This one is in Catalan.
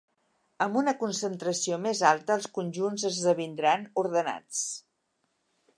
Amb una concentració més alta, els conjunts esdevindran ordenats.